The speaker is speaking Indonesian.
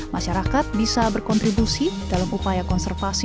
masyarakat bisa berkontribusi dalam upaya konservasi